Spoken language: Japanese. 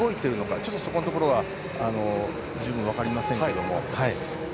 ちょっと、そこのところ十分には分かりませんが。